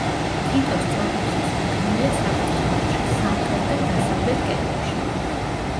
თითო სწორკუთხა სარკმელია საკურთხეველში, სამხრეთ და დასავლეთ კედლებში.